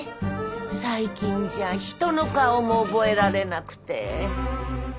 最近じゃ人の顔も覚えられなくて。